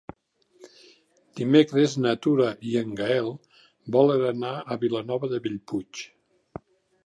Dimecres na Tura i en Gaël volen anar a Vilanova de Bellpuig.